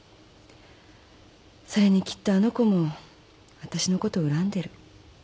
それにきっとあの子もわたしのこと恨んでる。